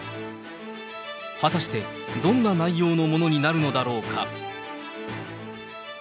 果たしてどんな内容のものになるのだろうか。